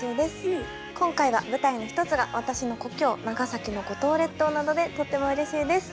今回は舞台の一つが私の故郷長崎の五島列島なのでとってもうれしいです。